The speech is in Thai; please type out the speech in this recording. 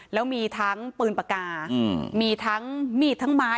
แล้วมีทั้งปืนปากกามีทั้งมีดทั้งไม้